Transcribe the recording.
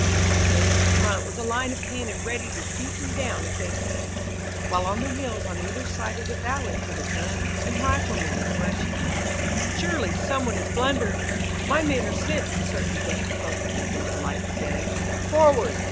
And there in front was a line of cannon ready to shoot them down as they came, while on the hills on either side of the valley were the guns and riflemen of the Russians. "Surely someone has blundered! My men are sent to certain death," thought the leader of the Light Brigade. "Forward!